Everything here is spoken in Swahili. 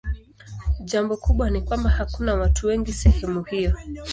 Jambo kubwa ni kwamba hakuna watu wengi sehemu hiyo.